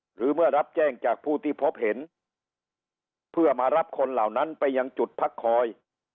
หรือเมื่อรับแจ้งจากผู้ที่พบเห็นเพื่อมารับคนเหล่านั้นไปยังจุดพักคอย